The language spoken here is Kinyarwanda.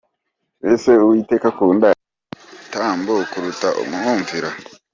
Ese Uwiteka akunda ibitambo kuruta umwumvira ?.